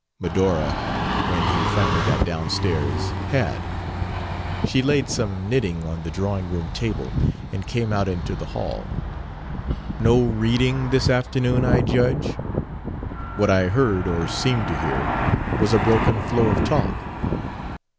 Medora when he finally got down stairs had. She laid some knitting on the drawing room table and came out into the hall. "No reading this afternoon, I judge. What I heard, or seemed to hear, was a broken flow of talk."